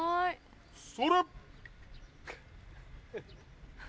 それ！